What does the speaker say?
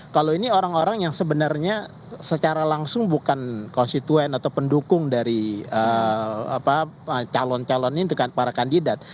kalau ini orang orang yang sebenarnya secara langsung bukan konstituen atau pendukung dari calon calon ini kan para kandidat